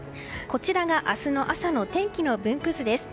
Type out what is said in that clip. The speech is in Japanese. こちらが、明日の朝の天気の分布図です。